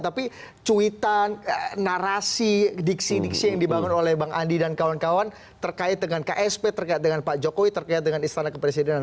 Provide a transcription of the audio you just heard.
tapi cuitan narasi diksi diksi yang dibangun oleh bang andi dan kawan kawan terkait dengan ksp terkait dengan pak jokowi terkait dengan istana kepresidenan